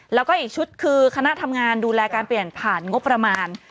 แล้วก็อีกชุดคือคณะทำงานดูแลการเปลี่ยนผ่านงบประมาณ